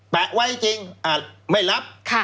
แปะไว้จริงอาจไม่รับ